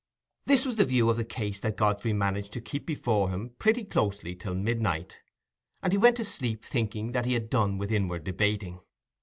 This was the view of the case that Godfrey managed to keep before him pretty closely till midnight, and he went to sleep thinking that he had done with inward debating.